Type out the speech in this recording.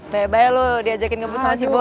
bye bye lo diajakin ngebut sama si boy